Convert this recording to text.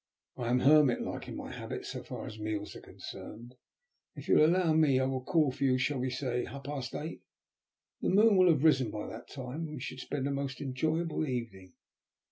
I am hermit like in my habits so far as meals are concerned. If you will allow me I will call for you, shall we say at half past eight? The moon will have risen by that time, and we should spend a most enjoyable evening."